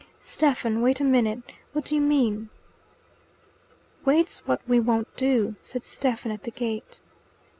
"Stephen, wait a minute. What do you mean?" "Wait's what we won't do," said Stephen at the gate.